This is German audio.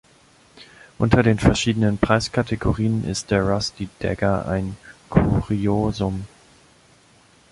Unter den verschiedenen Preiskategorien ist der Rusty Dagger ein Kuriosum.